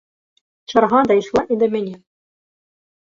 Чарга дайшла і да мяне.